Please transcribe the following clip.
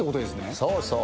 そうそう。